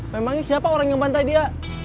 memangnya siapa orang yang bantai dia